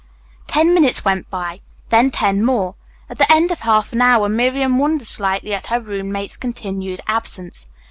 Ten minutes went by, then ten more. At the end of half an hour Miriam wondered slightly at her roommate's continued absence.